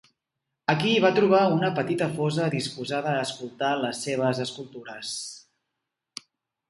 Aquí va trobar una petita fosa disposada a escoltar les seves escultures.